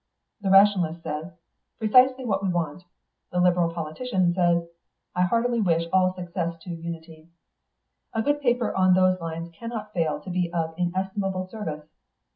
The rationalist says, 'Precisely what we want.' The Liberal politician says, 'I heartily wish all success to Unity. A good new paper on those lines cannot fail to be of inestimable service.